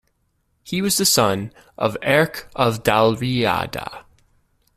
He was the son of Erc of Dalriada.